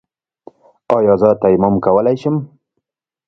ایا زه تیمم کولی شم؟